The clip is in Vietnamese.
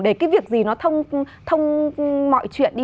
để cái việc gì nó thông mọi chuyện đi